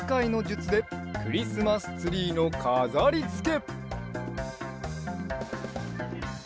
つでクリスマスツリーのかざりつけ！